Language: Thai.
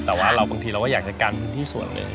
แต่ว่าบางทีอยากจะกันที่ส่วนหนึ่ง